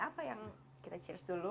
apa yang kita chaos dulu